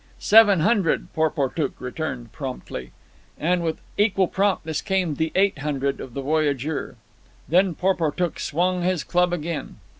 "Seven hundred!" Porportuk returned promptly. And with equal promptness came the "Eight hundred" of the voyageur. Then Porportuk swung his club again.